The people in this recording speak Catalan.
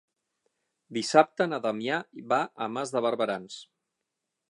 Dissabte na Damià va a Mas de Barberans.